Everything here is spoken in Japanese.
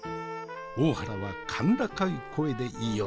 大原は甲高い声で言いよった。